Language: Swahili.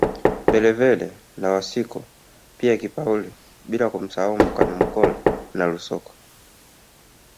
Mbelevele na Wisiko pia Kipaule bila kumsahau Mkanumkole na Lusoko